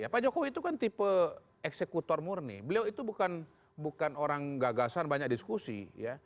pak jokowi itu kan tipe eksekutor murni beliau itu bukan orang gagasan banyak diskusi ya